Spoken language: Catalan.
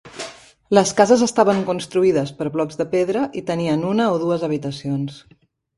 Les cases estaven construïdes per blocs de pedra i tenien una o dues habitacions.